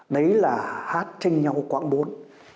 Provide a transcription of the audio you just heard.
đấy là hát trên nhau quảng bốn